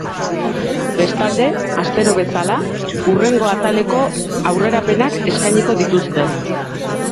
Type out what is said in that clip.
Bestalde, astero bezala, hurrengo ataleko aurrerapenak eskainiko dituzte.